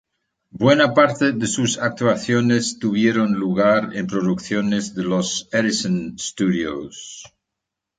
Buena parte de sus actuaciones tuvieron lugar en producciones de los Edison Studios.